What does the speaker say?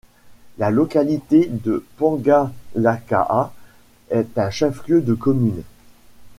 La localité de Pangalakaha est un chef-lieu de commune.